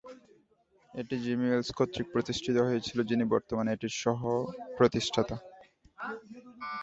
এটি Jimmy Wales কর্তৃক প্রতিষ্ঠিত হয়েছিল, যিনি বর্তমানে এটির সহ প্রতিষ্ঠাতা।